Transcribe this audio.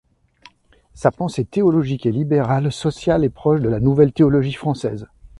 Sa pensée théologique est libérale, sociale et proche de la ‘nouvelle théologie’ française.